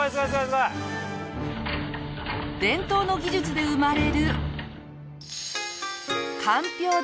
伝統の技術で生まれる。